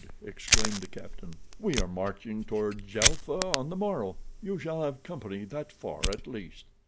exclaimed the captain. "We are marching toward Djelfa on the morrow. You shall have company that far at least.